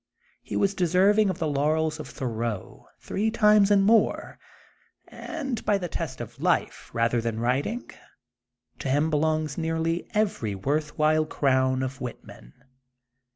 He was deserving of the laurels of Thorean, three times and more, and by the test of life rather than writing, to him belongs nearly every worth while crown of Whitman.